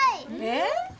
えっ？